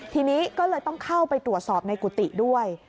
ทีนี้ก็เลยต้องเข้าไปตรวจสอบในกุฏิด้วย